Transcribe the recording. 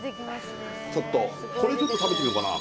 ちょっとこれちょっと食べてみようかな